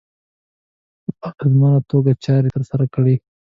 په اغېزمنه توګه چارې ترسره کړي.